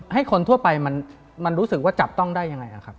ให้คนทั่วไปมันรู้สึกว่าจับต้องได้ยังไงครับ